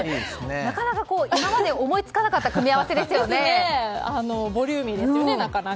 なかなか今まで思いつかなかったボリューミーですよね。